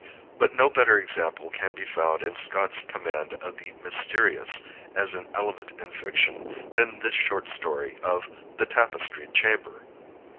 But no better example can be found of Scott's command of the mysterious as an element in fiction than this short story of "The Tapestried Chamber."